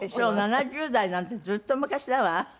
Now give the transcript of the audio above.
７０代なんてずっと昔だわ。